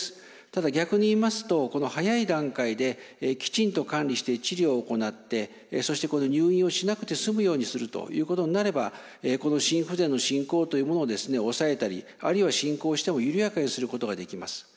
ただ逆に言いますと早い段階できちんと管理して治療を行ってそして入院をしなくて済むようにするということになれば心不全の進行というものを抑えたりあるいは進行しても緩やかにすることができます。